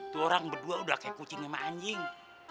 tuh orang berdua udah kayak kucing sama anjing